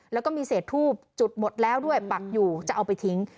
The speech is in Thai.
แล้วก็มีเศษทูบจุดหมดแล้วด้วยปักอยู่จะเอาไปทิ้ง